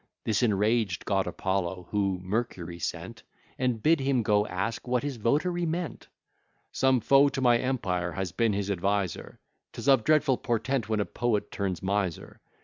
This enraged god Apollo, who Mercury sent, And bid him go ask what his votary meant? "Some foe to my empire has been his adviser: 'Tis of dreadful portent when a poet turns miser!